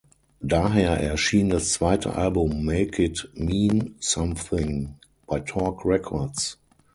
Daher erschien das zweite Album "Make It Mean Somethin" bei Torque Records.